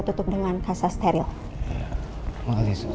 tutup dengan kasa steril mahal yesus